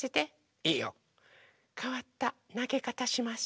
いいよ。かわったなげかたします。